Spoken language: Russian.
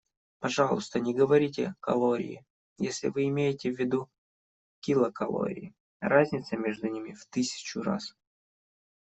Пожалуйста, не говорите «калории», если вы имеете в виду «килокалории», разница между ними в тысячу раз.